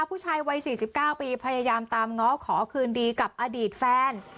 ผู้ชายวัย๔๙ปีพยายามตามง้อขอคืนดีกับอดีตแฟน